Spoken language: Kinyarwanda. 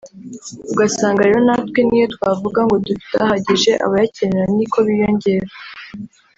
ugasanga rero natwe n’iyo twavuga ngo dufite ahagije n’abayakenera ni ko biyongera